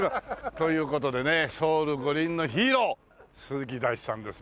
という事でねソウル五輪のヒーロー鈴木大地さんです。